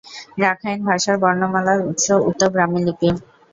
Rakhine ভাষার বর্ণমালার উৎস উত্তর ব্রাহ্মী লিপি।